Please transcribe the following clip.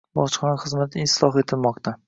Bojxona xizmati isloh etilmoqdang